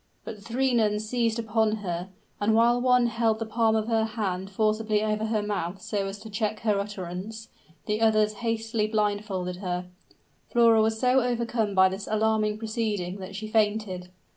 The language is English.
But the three nuns seized upon her; and while one held the palm of her hand forcibly over her mouth so as to check her utterance, the others hastily blindfolded her. Flora was so overcome by this alarming proceeding, that she fainted.